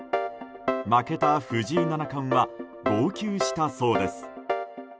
負けた藤井七冠は号泣したそうです。